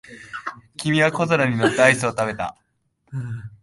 君は小皿に乗ったアイスを食べた。